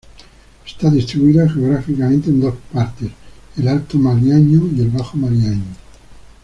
Está distribuido geográficamente en dos partes, el Alto Maliaño y el Bajo Maliaño.